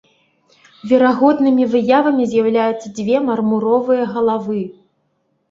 Верагоднымі выявамі з'яўляюцца дзве мармуровыя галавы.